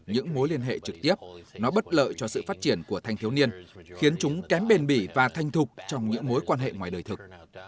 những mối liên hệ trực tiếp nó bất lợi cho sự phát triển của thanh thiếu niên khiến chúng kém bền bỉ và thanh thục trong những mối quan hệ ngoài đời thực